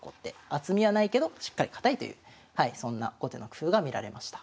厚みはないけどしっかり堅いというそんな後手の工夫が見られました。